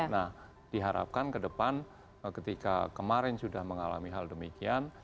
nah diharapkan ke depan ketika kemarin sudah mengalami hal demikian